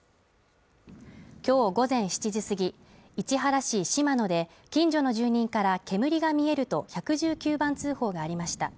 今日午前７時すぎ、市原市島野で近所の住人から煙が見えると１１９番通報がありました。